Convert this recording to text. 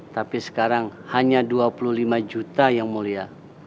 tapi sekarang hanya dua puluh lima juta yang mulia